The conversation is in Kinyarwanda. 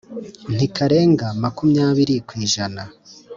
Ntikarenga makumyabiri ku ijana